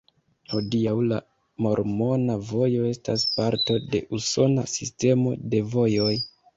Hodiaŭ la Mormona Vojo estas parto de usona sistemo de vojoj.